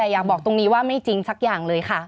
แต่อยากบอกตรงนี้ว่าไม่จริงสักอย่างเลยค่ะ